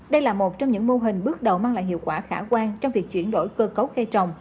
đây là một trong những mô hình bước đầu mang lại hiệu quả khả quan trong việc chuyển đổi cơ cấu cây trồng